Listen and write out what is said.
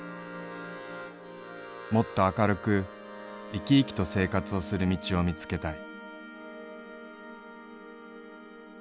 もっと明るく生き生きと生活をする道を見付けたい」。